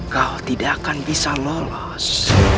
kau tidak akan bisa lolos